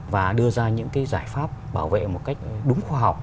và đưa ra những cái giải pháp bảo vệ một cách đúng khoa học